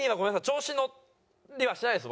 調子乗りはしないです